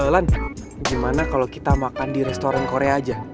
lan gimana kalau kita makan di restoran korea aja